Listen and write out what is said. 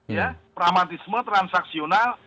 ya pragmatisme transaksional